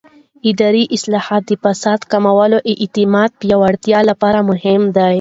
اداري اصلاحات د فساد د کمولو او اعتماد د پیاوړتیا لپاره مهم دي